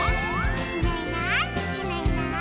「いないいないいないいない」